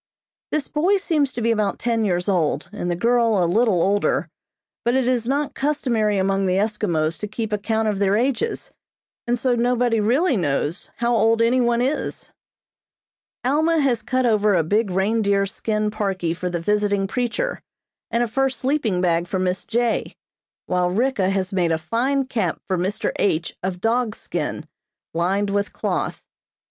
This boy seems to be about ten years old, and the girl a little older, but it is not customary among the Eskimos to keep account of their ages, and so nobody really knows how old any one is. Alma has cut over a big reindeer skin parkie for the visiting preacher, and a fur sleeping bag for Miss J., while Ricka has made a fine cap for Mr. H. of dog's skin, lined with cloth.